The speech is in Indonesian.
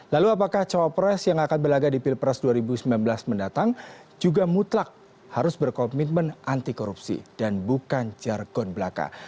lalu apakah cawapres yang akan berlagak di pilpres dua ribu sembilan belas mendatang juga mutlak harus berkomitmen anti korupsi dan bukan jargon belaka